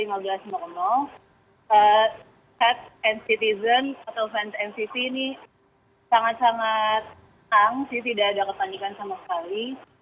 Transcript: head and citizen atau head and citizen ini sangat sangat hang sih tidak ada ketanyakan sama sekali